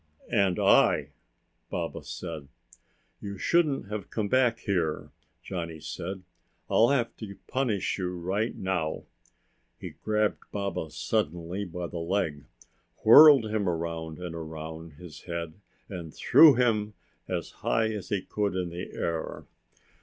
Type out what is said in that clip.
"And I!" Baba said. "You shouldn't have come back here!" Johnny said. "I'll have to punish you right now!" He grabbed Baba suddenly by the leg, whirled him around and around above his head and threw him as high as he could in the air.